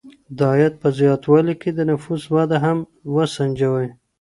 د عاید په زیاتوالي کي د نفوس وده هم وسنجوئ.